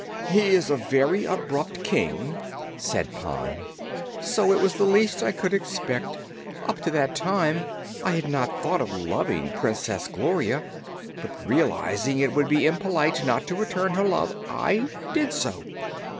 "He is a very abrupt King," said Pon, "so it was the least I could expect. Up to that time I had not thought of loving Princess Gloria, but realizing it would be impolite not to return her love, I did so.